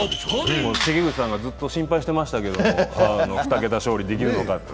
関口さんがずっと心配していましたけれども、２桁勝負できるかって。